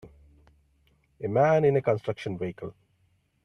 A man in a construction vehicle.